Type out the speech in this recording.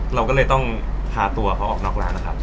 เราก็เลยต้องพาตัวเขาออกนอกร้านนะครับ